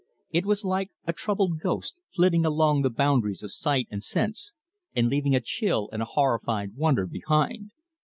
It was like a troubled ghost, flitting along the boundaries of sight and sense, and leaving a chill and a horrified wonder behind.